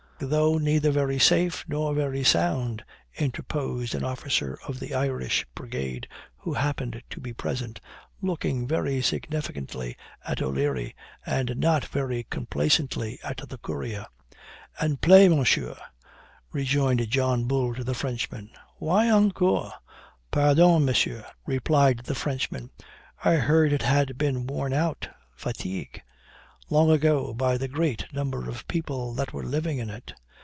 'Though neither very safe, nor very sound,' interposed an officer of the Irish Brigade, who happened to be present, looking very significantly at O'Leary, and not very complacently at the courier. 'And pray, monsieur,' rejoined John Bull to the Frenchman, 'why encore?' 'Pardon, monsieur,' replied the Frenchman, 'I heard it had been worn out (fatigue) long ago, by the great number of people that were living in it.'